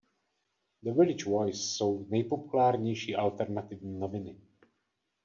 The Village Voice jsou nejpopulárnější alternativní noviny.